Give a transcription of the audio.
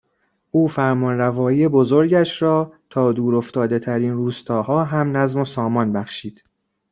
او فرمانروایی بزرگش را تا دورافتادهترین روستاها هم نظم و سامان بخشید